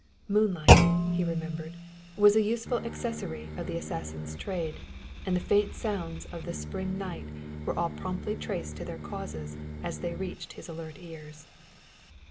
Moonlight, he remembered, was a useful accessory of the assassin's trade, and the faint sounds of the spring night were all promptly traced to their causes as they reached his alert ears.